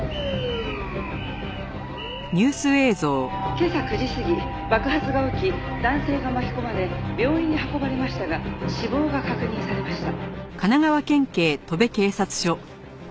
「今朝９時過ぎ爆発が起き男性が巻き込まれ病院に運ばれましたが死亡が確認されました」